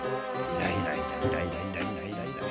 イライライライライライラ。